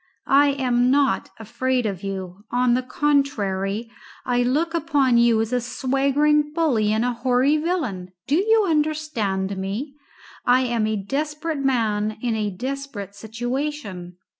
I am not afraid of you. On the contrary, I look upon you as a swaggering bully and a hoary villain. Do you understand me? I am a desperate man in a desperate situation.